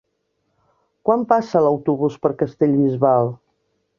Quan passa l'autobús per Castellbisbal?